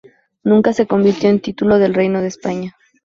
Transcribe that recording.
Nunca se convirtió en título del Reino de España.